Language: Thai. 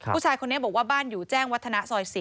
ผู้ชายคนนี้บอกว่าบ้านอยู่แจ้งวัฒนะซอย๔